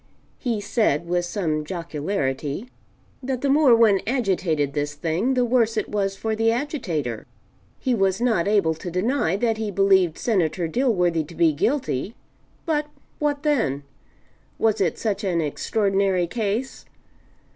He said with some jocularity that the more one agitated this thing, the worse it was for the agitator. He was not able to deny that he believed Senator Dilworthy to be guilty but what then? Was it such an extraordinary case?